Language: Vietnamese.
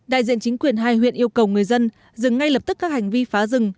đại diện chính quyền hai huyện yêu cầu người dân dừng ngay lập tức các hành vi phá rừng